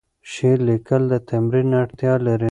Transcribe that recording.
شعر لیکل د تمرین اړتیا لري.